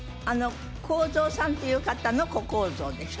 公造さんっていう方の小公造でしょ？